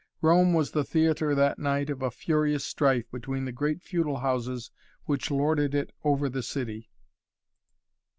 Rome was the theatre that night of a furious strife between the great feudal houses which lorded it over the city.